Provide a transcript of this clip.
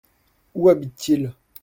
Où habitent-ils ?